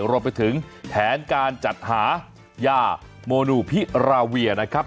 รวมไปถึงแผนการจัดหายาโมนูพิราเวียนะครับ